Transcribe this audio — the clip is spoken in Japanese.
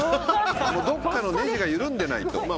どっかのねじが緩んでないと。